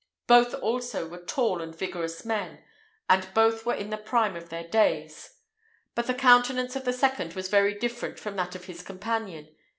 Both also were tall and vigorous men, and both were in the prime of their days; but the countenance of the second was very different from that of his companion.